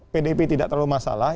pdip tidak terlalu masalah